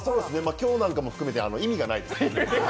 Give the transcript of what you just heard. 今日なんかも含めて意味がないです。